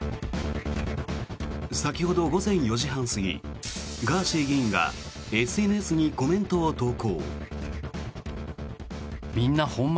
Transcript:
先ほど午前４時半過ぎガーシー議員がＳＮＳにコメントを投稿。